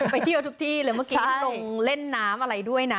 ไปเที่ยวทุกที่เลยเมื่อกี้ลงเล่นน้ำอะไรด้วยนะ